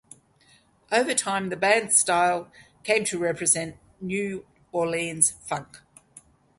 Over time the band's style came to represent New Orleans funk.